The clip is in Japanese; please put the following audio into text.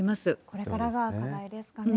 これからが課題ですかね。